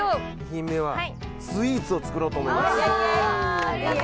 ２品目はスイーツを作ろうと思いますわあ